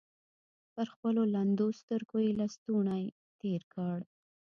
پر خپلو لندو سترګو يې لستوڼۍ تېر کړ.